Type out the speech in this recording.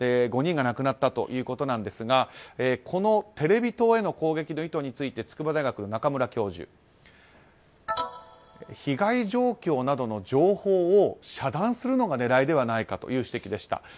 ５人が亡くなったということですがこのテレビ塔への攻撃の意図について筑波大学の中村教授被害状況などの情報を遮断するのが狙いではないかという指摘でした。